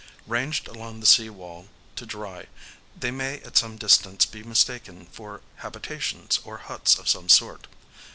Ranged along the sea wall to dry, they might at some distance be mistaken for habitations or huts of some sort.